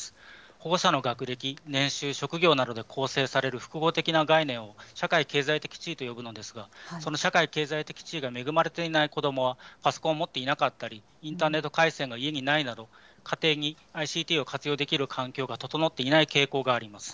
保護者の学歴、年収、職業などで構成される複合的な概念を、社会経済的地位と呼ぶのですが、その社会経済的地位が恵まれていない子どもはパソコンを持っていなかったり、インターネット回線が家にないなど、家庭にＩＣＴを活用できる環境が整っていない傾向があります。